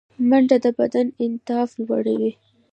منډه د بدن انعطاف لوړوي